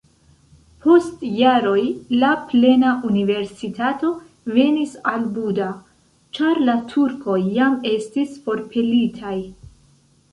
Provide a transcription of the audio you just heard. Post jaroj la plena universitato venis al Buda, ĉar la turkoj jam estis forpelitaj.